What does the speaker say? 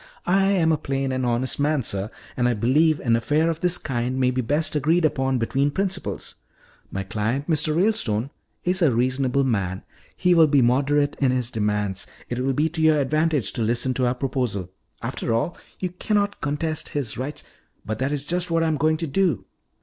I am a plain and honest man, sir, and I believe an affair of this kind may be best agreed upon between principals. My client, Mr. Ralestone, is a reasonable man; he will be moderate in his demands. It will be to your advantage to listen to our proposal. After all, you cannot contest his rights " "But that is just what I am going to do."